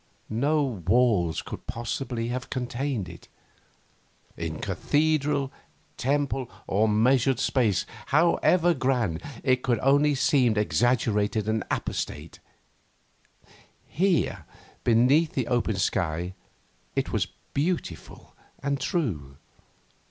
No walls could possibly have contained it. In cathedral, temple, or measured space, however grand, it could only have seemed exaggerated and apostate; here, beneath the open sky, it was beautiful and true.